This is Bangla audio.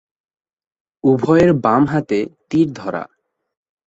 উপরের বাম হাতে তীর ধরা।